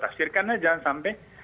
tafsir karena jangan sampai